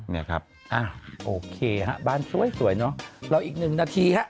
เนี่ยครับอ่ะโอเคฮะบ้านสวยเนอะเราอีกหนึ่งนาทีฮะ